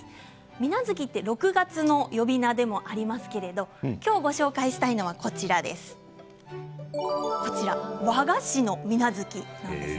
水無月って６月の呼び名でもありますけれど今日ご紹介したいのは和菓子の水無月です。